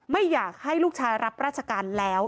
ไม่อยากให้ลูกชายรับราชการแล้ว